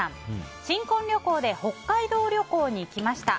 新婚旅行で北海道旅行に行きました。